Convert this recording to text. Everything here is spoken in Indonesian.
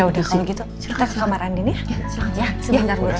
ya udah kalau gitu kita ke kamar andin ya